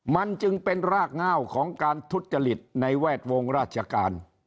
มันจึงเป็นรากง่าของการทุจริตในแวดวงราชการ